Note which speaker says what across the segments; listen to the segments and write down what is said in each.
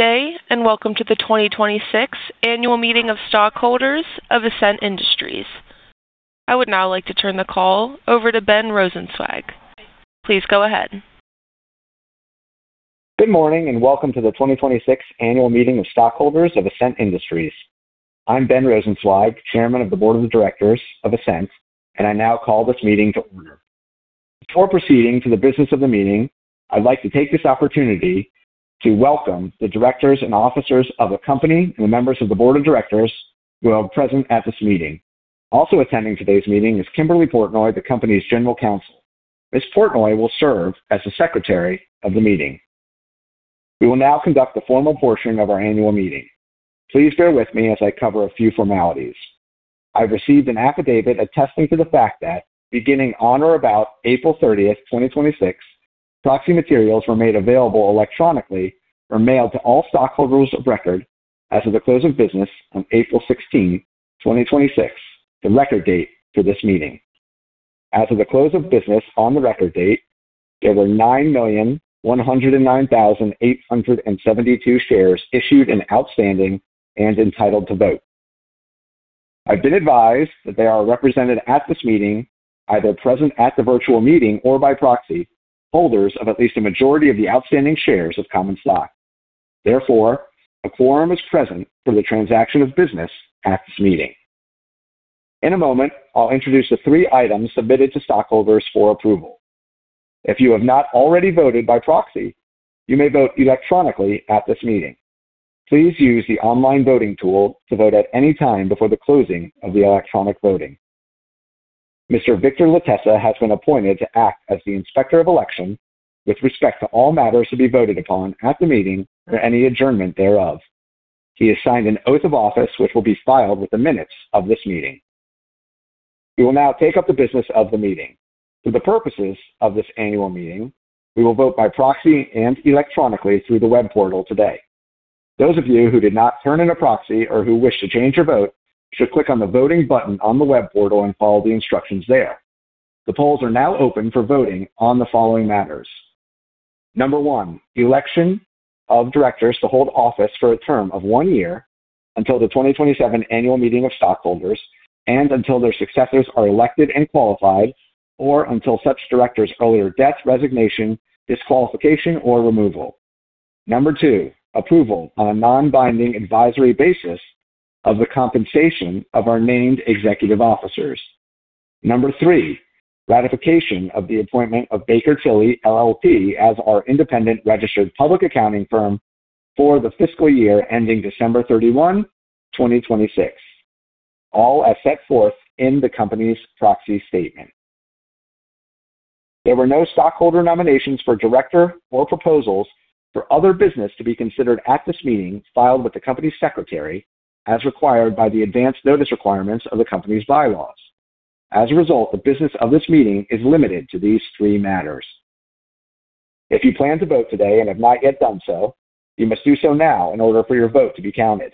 Speaker 1: Day, and welcome to the 2026 annual meeting of stockholders of Ascent Industries. I would now like to turn the call over to Ben Rosenzweig. Please go ahead.
Speaker 2: Good morning, and welcome to the 2026 annual meeting of stockholders of Ascent Industries. I'm Ben Rosenzweig, Chairman of the Board of the Directors of Ascent, and I now call this meeting to order. Before proceeding to the business of the meeting, I'd like to take this opportunity to welcome the Directors and Officers of the company and the members of the Board of Directors who are present at this meeting. Also attending today's meeting is Kimberly Portnoy, the company's General Counsel. Ms. Portnoy will serve as the Secretary of the meeting. We will now conduct the formal portion of our annual meeting. Please bear with me as I cover a few formalities. I've received an affidavit attesting to the fact that beginning on or about April 30th, 2026, proxy materials were made available electronically or mailed to all stockholders of record as of the close of business on April 16th, 2026, the record date for this meeting. As of the close of business on the record date, there were 9,109,872 shares issued and outstanding and entitled to vote. I've been advised that they are represented at this meeting, either present at the virtual meeting or by proxy, holders of at least a majority of the outstanding shares of common stock. Therefore, a quorum is present for the transaction of business at this meeting. In a moment, I'll introduce the three items submitted to stockholders for approval. If you have not already voted by proxy, you may vote electronically at this meeting. Please use the online voting tool to vote at any time before the closing of the electronic voting. Mr. Victor Latessa has been appointed to act as the Inspector of Election with respect to all matters to be voted upon at the meeting or any adjournment thereof. He has signed an oath of office, which will be filed with the minutes of this meeting. We will now take up the business of the meeting. For the purposes of this annual meeting, we will vote by proxy and electronically through the web portal today. Those of you who did not turn in a proxy or who wish to change your vote should click on the voting button on the web portal and follow the instructions there. The polls are now open for voting on the following matters. Number one, election of directors to hold office for a term of one year until the 2027 annual meeting of stockholders and until their successors are elected and qualified, or until such director's earlier death, resignation, disqualification, or removal. Number two, approval on a non-binding advisory basis of the compensation of our named executive officers. Number three, ratification of the appointment of Baker Tilly LLP as our independent registered public accounting firm for the fiscal year ending December 31, 2026. All as set forth in the company's proxy statement. There were no stockholder nominations for director or proposals for other business to be considered at this meeting filed with the company's secretary as required by the advance notice requirements of the company's bylaws. As a result, the business of this meeting is limited to these three matters. If you plan to vote today and have not yet done so, you must do so now in order for your vote to be counted.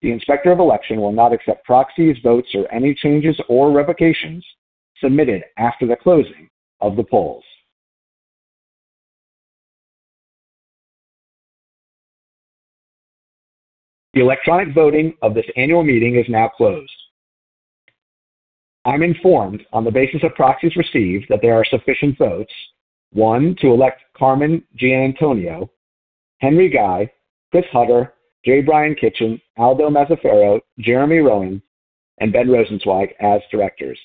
Speaker 2: The Inspector of Election will not accept proxies, votes, or any changes or revocations submitted after the closing of the polls. The electronic voting of this annual meeting is now closed. I'm informed on the basis of proxies received that there are sufficient votes. One, to elect Carmen Giannantonio, Henry Guy, Chris Hutter, J. Bryan Kitchen, Aldo Mazzaferro, Jeremy Rowan, and Ben Rosenzweig as directors.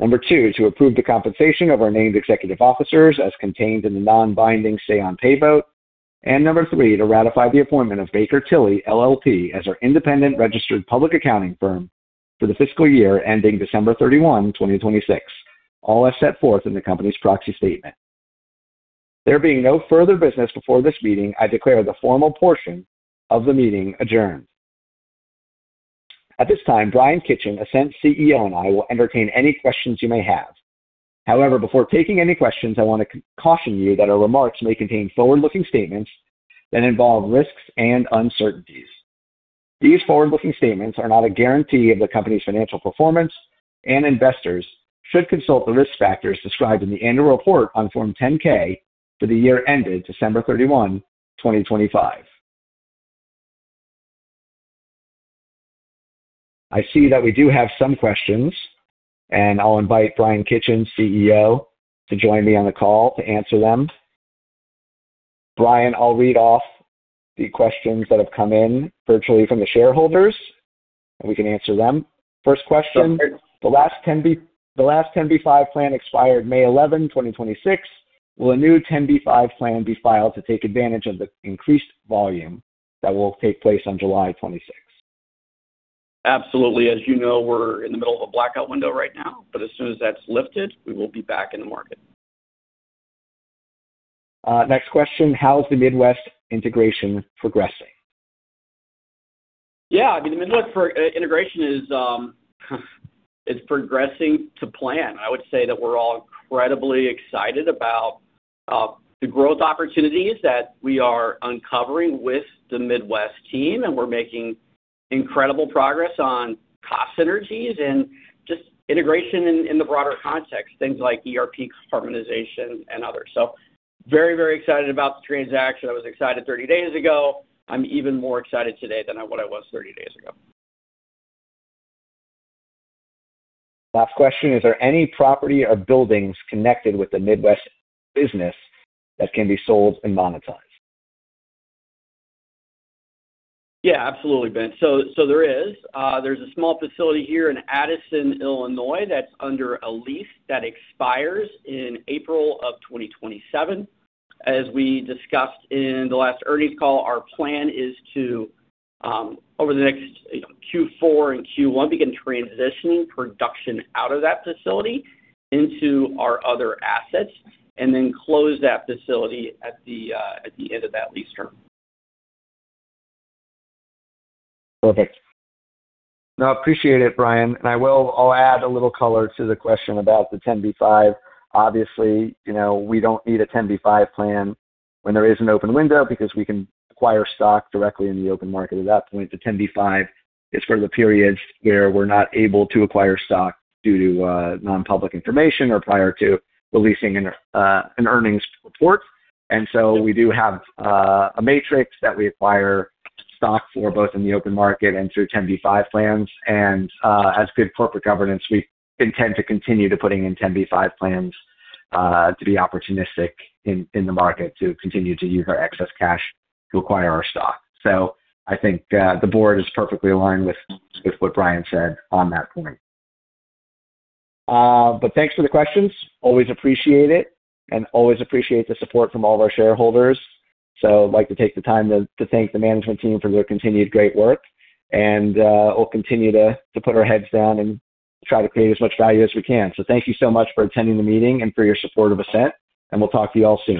Speaker 2: Number two, to approve the compensation of our named executive officers as contained in the non-binding say on pay vote. Number three, to ratify the appointment of Baker Tilly LLP as our independent registered public accounting firm for the fiscal year ending December 31, 2026. All as set forth in the company's proxy statement. There being no further business before this meeting, I declare the formal portion of the meeting adjourned. At this time, Bryan Kitchen, Ascent CEO, and I will entertain any questions you may have. However, before taking any questions, I want to caution you that our remarks may contain forward-looking statements that involve risks and uncertainties. These forward-looking statements are not a guarantee of the company's financial performance, and investors should consult the risk factors described in the annual report on Form 10-K for the year ended December 31, 2025. I see that we do have some questions, and I'll invite Bryan Kitchen, CEO, to join me on the call to answer them. Bryan, I'll read off the questions that have come in virtually from the shareholders, and we can answer them. First question. The last 10b5-1 plan expired May 11, 2026. Will a new 10b5-1 plan be filed to take advantage of the increased volume that will take place on July 26?
Speaker 3: Absolutely. As you know, we're in the middle of a blackout window right now, as soon as that's lifted, we will be back in the market.
Speaker 2: Next question. How is the Midwest integration progressing?
Speaker 3: Yeah, I mean, the Midwest for integration is, it's progressing to plan. I would say that we're all incredibly excited about the growth opportunities that we are uncovering with the Midwest team, and we're making incredible progress on Synergies and just integration in the broader context, things like ERP harmonization and others. Very, very excited about the transaction. I was excited 30 days ago. I'm even more excited today than what I was 30 days ago.
Speaker 2: Last question, is there any property or buildings connected with the Midwest business that can be sold and monetized?
Speaker 3: Yeah, absolutely, Ben. There is. There's a small facility here in Addison, Illinois, that's under a lease that expires in April of 2027. As we discussed in the last earnings call, our plan is to, over the next Q4 and Q1, begin transitioning production out of that facility into our other assets and then close that facility at the end of that lease term.
Speaker 2: Perfect. No, appreciate it, Bryan. I'll add a little color to the question about the 10b5-1. Obviously, we don't need a 10b5-1 plan when there is an open window because we can acquire stock directly in the open market. At that point, the 10b5-1 is for the periods where we're not able to acquire stock due to non-public information or prior to releasing an earnings report. We do have a matrix that we acquire stock for both in the open market and through 10b5-1 plans. As good corporate governance, we intend to continue putting in 10b5-1 plans to be opportunistic in the market to continue to use our excess cash to acquire our stock. I think the board is perfectly aligned with what Bryan said on that point. Thanks for the questions. Always appreciate it and always appreciate the support from all of our shareholders. I'd like to take the time to thank the management team for their continued great work. We'll continue to put our heads down and try to create as much value as we can. Thank you so much for attending the meeting and for your support of Ascent, and we'll talk to you all soon.